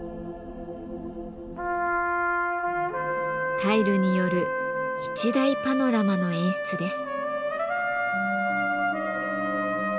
タイルによる一大パノラマの演出です。